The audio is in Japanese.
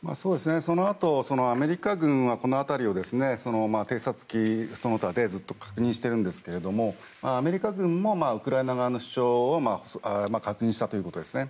そのあと、アメリカ軍はこの辺りを偵察機とかで確認しているんですがアメリカ軍もウクライナ側の主張を確認したということですね。